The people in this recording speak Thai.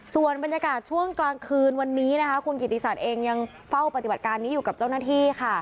ส่วนบรรยากาศช่วงกลางคืนวันนี้นะคะคุณกิติศักดิ์เองยังเฝ้าปฏิบัติการนี้อยู่กับเจ้าหน้าที่ค่ะ